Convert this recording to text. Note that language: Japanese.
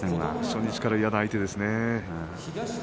初日から嫌な相手ですね。